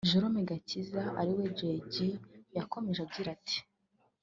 Joram Gakiza ari we Jay G yakomeje agira ati